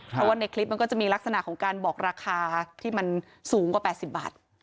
เพราะว่าในคลิปมันก็จะมีลักษณะของการบอกราคาที่มันสูงกว่า๘๐บาท